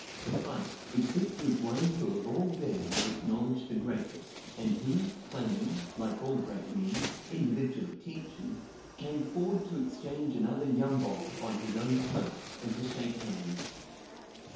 sufficed, except with one who of all there was acknowledged the greatest, and who, claiming, like all great men, individual attention, came forward to exchange another "Yambo!" on his own behalf, and to shake hands.